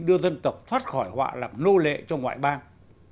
đưa dân tộc thoát khỏi họa làm nô lệ cho ngoại bang